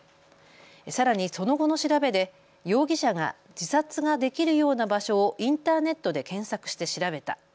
さらにその後の調べで容疑者が自殺ができるような場所をインターネットで検索して調べた。